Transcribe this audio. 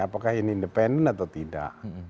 apakah ini independen atau tidak